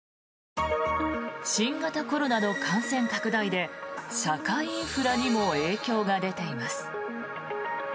新型コロナの感染拡大で社会インフラにも影響が出ています。